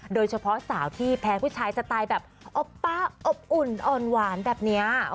โดยเฉพาะสาวที่แพ้ผู้ชายสไตล์แบบอบป้าอบอุ่นอ่อนหวานแบบนี้